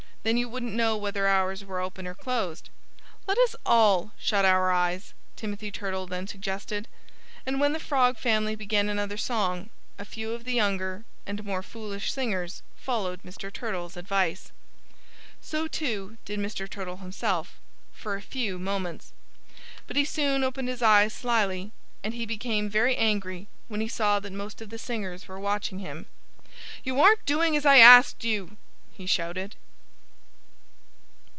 "Then you wouldn't know whether ours were open or closed." "Let us all shut our eyes!" Timothy Turtle then suggested. And when the Frog family began another song, a few of the younger and more foolish singers followed Mr. Turtle's advice. So, too, did Mr. Turtle himself for a few moments. But he soon opened his eyes slyly. And he became very angry when he saw that most of the singers were watching him. "You aren't doing as I asked you!" he shouted.